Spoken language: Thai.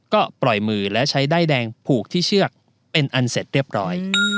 ก็ปล่อยมือและใช้ด้ายแดงผูกที่เชือกเป็นอันเสร็จเรียบร้อย